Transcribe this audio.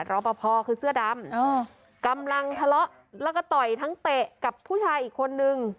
รอปภคือเสื้อดำกำลังทะเลาะแล้วก็ต่อยทั้งเตะกับผู้ชายอีกคนนึง